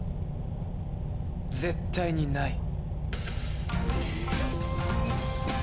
絶対にない。